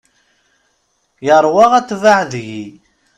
Yerwa atbaɛ deg-i.